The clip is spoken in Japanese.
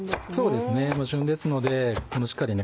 そうですね旬ですのでしっかりね